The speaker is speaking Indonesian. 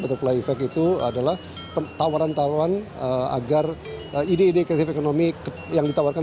atau fly effect itu adalah tawaran tawaran agar ide ide kreatif ekonomi yang ditawarkan